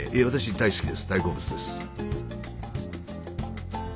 大好物です。